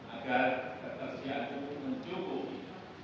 agar ketersiap hukum mencukupi